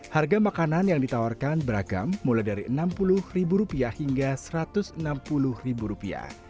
harga makanan yang ditawarkan beragam mulai dari rp enam puluh hingga rp satu ratus enam puluh